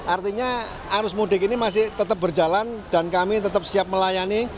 artinya arus mudik ini masih tetap berjalan dan kami tetap siap melayani